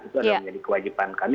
itu adalah menjadi kewajiban kami